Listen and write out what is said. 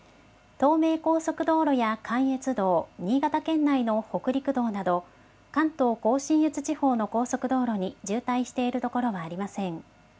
東名高速道路や関越道、新潟県内の北陸道など、関東甲信越地方の高速道路に渋滞している所はありません。